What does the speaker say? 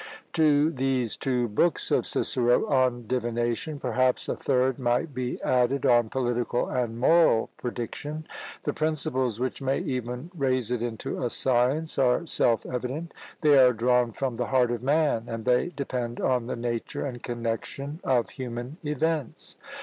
To these two books of Cicero on "Divination," perhaps a third might be added, on POLITICAL and MORAL PREDICTION. The principles which may even raise it into a science are self evident; they are drawn from the heart of man, and they depend on the nature and connexion of human events!